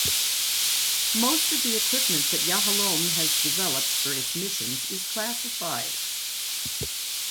Most of the equipment that Yahalom has developed for its missions is classified.